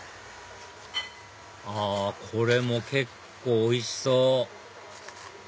あこれも結構おいしそう！